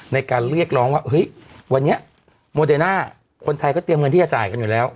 ในการเรียกร้องว่าเฮ้ยวันเนี้ย